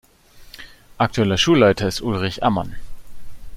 Aktueller Schulleiter ist Ulrich Amann.